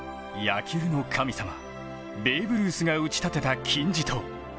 野球の神様、ベーブ・ルースが打ち立てた金字塔。